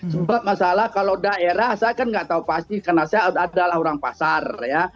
sebab masalah kalau daerah saya kan nggak tahu pasti karena saya adalah orang pasar